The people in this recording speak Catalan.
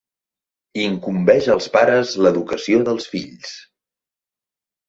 Incumbeix als pares l'educació dels fills.